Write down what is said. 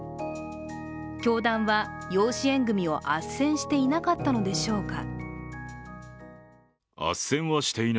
教団は養子縁組をあっせんしていなかったのでしょうか。